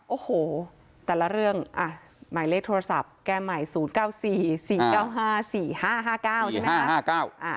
โอ้โหแต่ละเรื่องอ่ะหมายเลขโทรศัพท์แก้ใหม่๐๙๔๔๙๕๔๕๕๙ใช่ไหม